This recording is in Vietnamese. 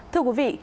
thưa quý vị